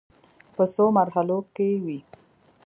په څو مرحلو کې وې.